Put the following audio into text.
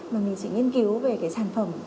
mà mình chỉ nghiên cứu về sản phẩm